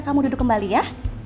kamu duduk kembali ya